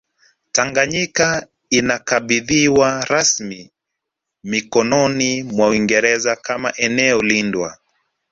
Tanganyika ilikabidhiwa rasmi mikononi mwa Uingereza kama eneo lindwa